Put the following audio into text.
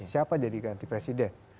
siapa jadi ganti presiden